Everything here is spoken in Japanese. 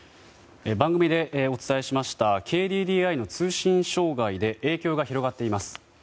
番組でお伝えしましたＫＤＤＩの通信障害で影響が広がっています。